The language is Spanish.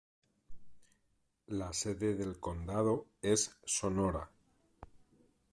La sede del condado es Sonora.